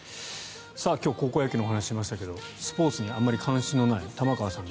今日、高校野球のお話ししましたけどスポーツにあまり関心がない玉川さん。